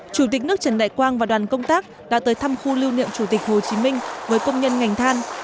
chủ tịch nước trần đại quang và đoàn công tác đã tới thăm khu lưu niệm chủ tịch hồ chí minh với công nhân ngành than